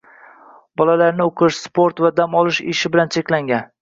Bolalarini o‘qish, sport va dam olish ishi bilan cheklagan